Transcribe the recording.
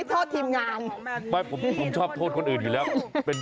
ใช่หน่อยชอบทธิมงาน